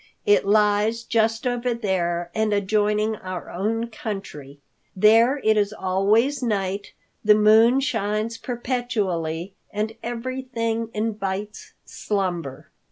It lies just over there and adjoining our own country. There it is always night, the moon shines perpetually, and everything invites slumber."